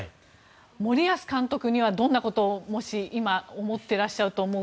森保監督にはどんなことを今思ってらっしゃると。